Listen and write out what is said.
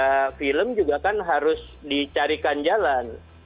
ada film juga kan harus dicarikan jalan